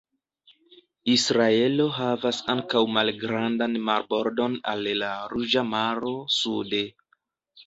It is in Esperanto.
Israelo havas ankaŭ malgrandan marbordon al la Ruĝa Maro sude.